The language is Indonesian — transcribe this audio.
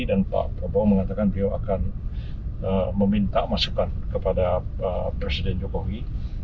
dan pak prabowo mengatakan beliau akan meminta masukan kepada presiden jokowi